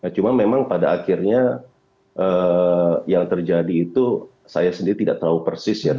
cuma memang pada akhirnya yang terjadi itu saya sendiri tidak tahu persis ya